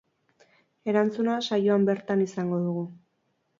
Erantzuna, saioan bertan izango dugu.